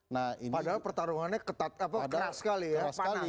padahal pertarungannya keras sekali ya